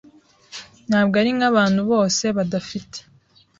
Ntabwo ari nkabantu bose badafite.